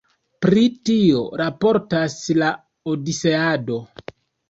Pri tio raportas la Odiseado.